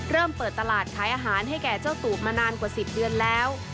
เริ่มเปิดตลาดขายอาหารให้แก่เจ้าตูบมานานกว่า๑๐เดือนแล้ว